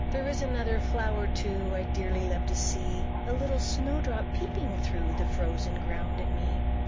There is another flower, too, I dearly love to see; The little Snowdrop, peeping through The frozen ground at me.